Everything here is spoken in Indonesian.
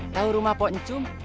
tahu rumah poncum